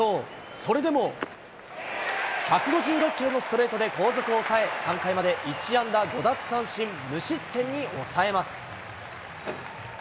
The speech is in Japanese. それでも１５６キロのストレートで後続を抑え、３回まで１安打５奪三振無失点に抑えます。